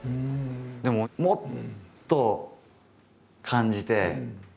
でももっと感じてあれ？